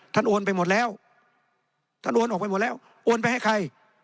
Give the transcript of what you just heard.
โอนไปหมดแล้วท่านโอนออกไปหมดแล้วโอนไปให้ใคร